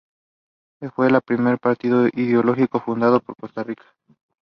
This is the only complete English language translation of this title.